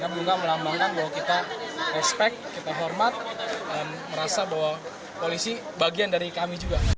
bagian dari kami juga